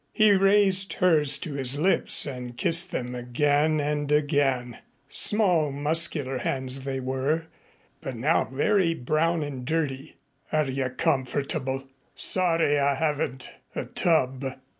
He raised hers to his lips and kissed them again and again: small, muscular hands they were, but now very brown and dirty. "Are you comfortable? Sorry I haven't a tub."